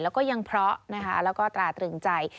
หวังว่าใจเขาคงดี